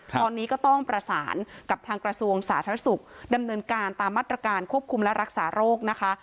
ตอนนี้ก็ต้องประสานกับทางกระทรวงสาธารณสุขดำเนินการตามมาตรการควบคุมและรักษาโรคนะคะ